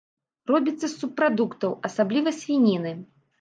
Робіцца з субпрадуктаў, асабліва свініны.